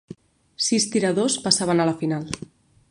Sis tiradors passaven a la final.